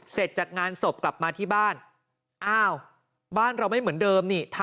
เสร็จจากงานศพกลับมาที่บ้านอ้าวบ้านเราไม่เหมือนเดิมนี่